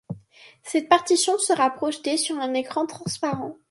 Cette partition sera projetée sur un écran transparent.